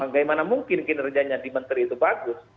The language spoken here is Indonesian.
bagaimana mungkin kinerjanya di menteri itu bagus